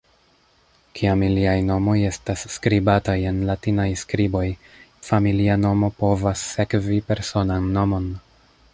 Kiam iliaj nomoj estas skribataj en latinaj skriboj, familia nomo povas sekvi personan nomon.